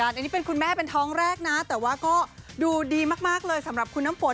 อันนี้เป็นคุณแม่เป็นท้องแรกนะแต่ว่าก็ดูดีมากเลยสำหรับคุณน้ำฝน